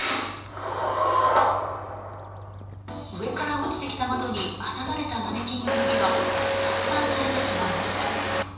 上から落ちてきた窓に挟まれたマネキンの指は切断されてしまいました。